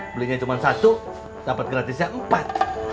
belinya cuma satu dapat gratisnya empat